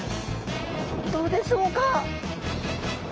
どうでしょうか。